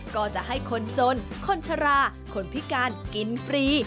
ก็จะให้คนจนคนชะลาคนพิการกินฟรี